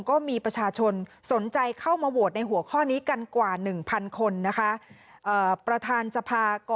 ก็มีประชาชนสนใจเข้ามาโหวตในหัวข้อนี้กันกว่า๑๐๐คนนะคะ